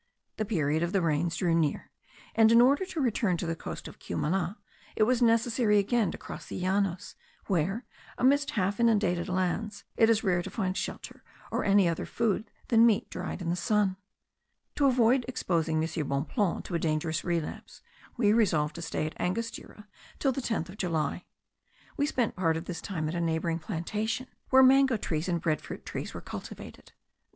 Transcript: The period of the rains drew near; and in order to return to the coast of Cumana, it was necessary again to cross the Llanos, where, amidst half inundated lands, it is rare to find shelter, or any other food than meat dried in the sun. To avoid exposing M. Bonpland to a dangerous relapse, we resolved to stay at Angostura till the 10th of July. We spent part of this time at a neighbouring plantation, where mango trees and bread fruit trees* were cultivated.